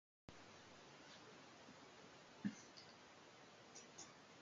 Teama flagotenanto estis "Oleg Ŝamajev".